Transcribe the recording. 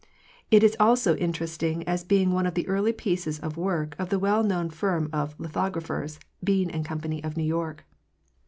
It is also interesting as being one of the early pieces of work of the well known firm of lithographers, Bien & Company, of New York.